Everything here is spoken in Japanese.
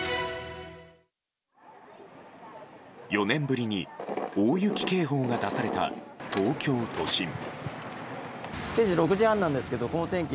４年ぶりに大雪警報が出された東京都心。